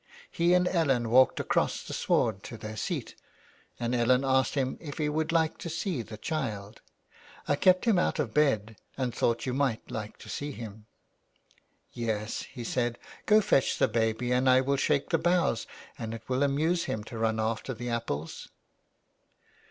He and Ellen walked across the sward to their seat and then Ellen asked him if he would like to see the child. " I've kept him out of bed and thought you might like to see him." "Yes/' he said, ''go fetch the baby and I will shake the boughs, and it will amuse him to run after the apples.'